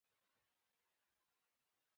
د لیکوال په ملګرتیا یې پوره کړو.